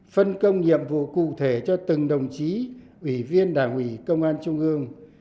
phân công nhiệm vụ cụ thể cho từng đồng chí ủy viên đảng ủy công an trung ương